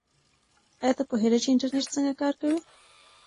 آیا ته پوهېږې چې انټرنیټ څنګه کار کوي؟